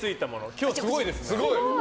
今日すごいですよ。